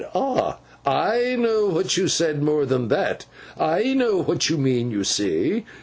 Ah! I know what you said; more than that, I know what you mean, you see.